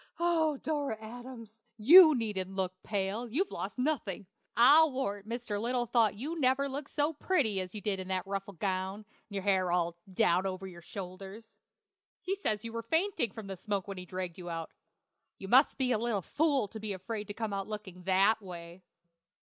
"Oh, Dora Adams! you needn't look pale; you've lost nothing. I'll warrant Mr. Little thought you never looked so pretty as in that ruffled gown, and your hair all down over your shoulders. He says you were fainting from the smoke when he dragged you out. You must be a little fool to be afraid to come out looking that way.